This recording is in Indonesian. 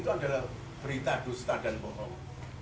pondok pesantren al mu'min nguruki